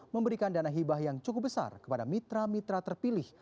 memberikan dana hibah yang cukup besar kepada mitra mitra terpilih